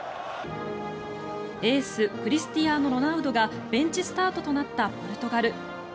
エースクリスティアーノ・ロナウドがベンチスタートとなったポルトガル。